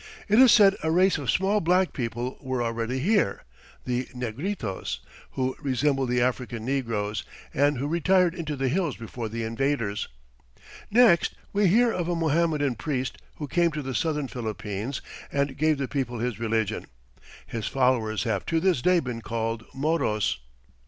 It is said a race of small black people were already here the Negritos who resembled the African negroes, and who retired into the hills before the invaders. Next we hear of a Mohammedan priest who came to the southern Philippines and gave the people his religion. His followers have to this day been called Moros.